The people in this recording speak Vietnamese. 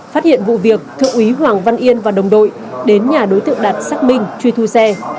phát hiện vụ việc thượng úy hoàng văn yên và đồng đội đến nhà đối tượng đạt xác minh truy thu xe